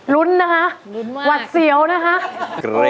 รุ้นนะคะหวัดเสียวนะคะ